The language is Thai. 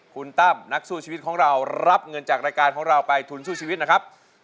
คุณตั้มนักสู้ชีวิตของเรารับเงินจากรายการของเราไปทุนสู้ชีวิตนะครับ